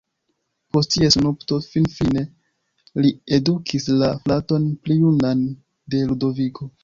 Post ties nupto finfine li edukis la fraton pli junan de Ludoviko.